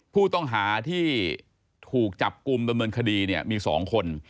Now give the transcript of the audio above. ผู้ต้องหาที่ถูกจับกลุ่มดำเนินคดีเนี่ยมี๒คน